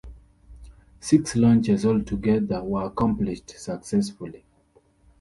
Six launches altogether were accomplished successfully.